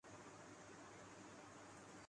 تیسرے ایک روزہ میچ میں ہندوستان کو شکست